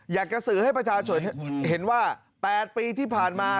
อยากจะสื่อให้ประชาชนเห็นว่า๘ปีที่ผ่านมา